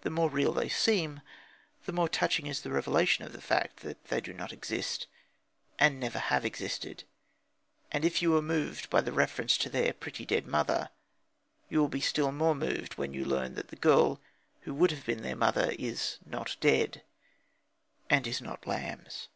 The more real they seem, the more touching is the revelation of the fact that they do not exist, and never have existed. And if you were moved by the reference to their "pretty dead mother," you will be still more moved when you learn that the girl who would have been their mother is not dead and is not Lamb's.